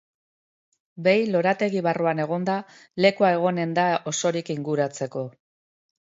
Behin lorategi barruan egonda, lekua egonen da osorik inguratzeko.